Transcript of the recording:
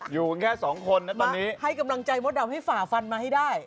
อยู่กันแค่๒คนให้กำลังใจมดดำให้ฝ่าฟันมาให้ได้